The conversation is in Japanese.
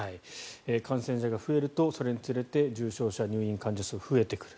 感染者が増えるとそれにつれて重症者、入院患者数が増えてくる。